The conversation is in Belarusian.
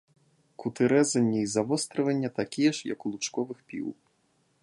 Куты рэзання і завострывання такія ж, як у лучковых піў.